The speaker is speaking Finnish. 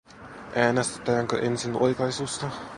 Äänestetäänkö ensin oikaisusta?